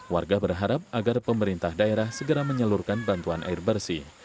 warga berharap agar pemerintah daerah segera menyalurkan bantuan air bersih